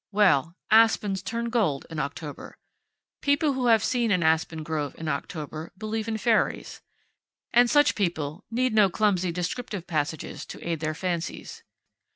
Well, aspens turn gold in October. People who have seen an aspen grove in October believe in fairies. And such people need no clumsy descriptive passages to aid their fancies.